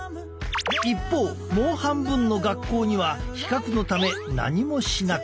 一方もう半分の学校には比較のため何もしなかった。